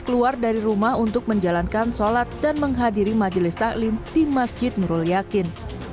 keluar dari rumah untuk menjalankan sholat dan menghadiri majelis taklim di masjid nurul yakin